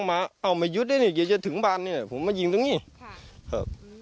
ก็เขาก็จอดตรงข้างหลังตูดโรยผม